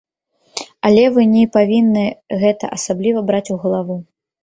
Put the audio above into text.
Але вы не павінны гэта асабліва браць у галаву.